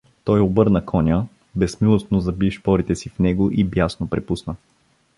Той обърна коня, безмилостно заби шпорите си в него и бясно препусна.